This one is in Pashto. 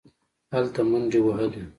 هلته منډې وهلې.